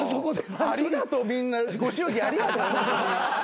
ありがとうみんなご祝儀ありがとうホントに。